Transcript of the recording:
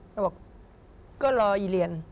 เขาบอกก็รออีเรียน